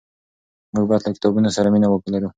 موږ باید له کتابونو سره مینه ولرو.